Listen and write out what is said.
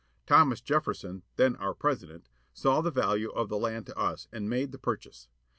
Thomas Jefferson, then our President, saw the value of the land to us and made the purchase.